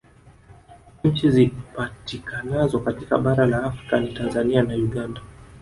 Nchi zipatikanazo katika bara la Afrika ni Tanzania na Uganda